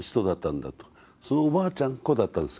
そのおばあちゃんっ子だったんです